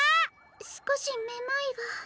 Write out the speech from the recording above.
すこしめまいが。